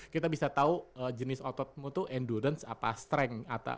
kita bisa tahu jenis ototmu itu endurance apa strength